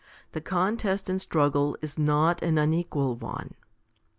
The contest and struggle is not an unequal one.